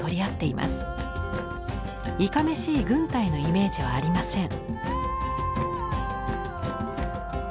いかめしい軍隊のイメージはありません。